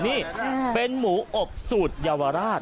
นี่เป็นหมูอบสูตรเยาวราช